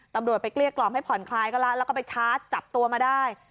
ตำรวจไปเกลี้ยกล่อมให้ผ่อนคลายก็แล้วแล้วก็ไปชาร์จจับตัวมาได้